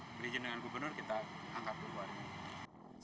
berizin dengan gubernur kita angkatkan waring